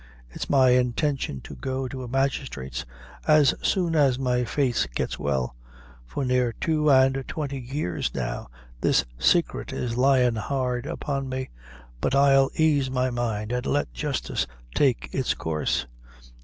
It's my intention to go to a magistrate's as soon as my face gets well. For near two and twenty years, now, this saicret is lyin' hard upon me; but I'll aise my mind, and let justice take it's coorse.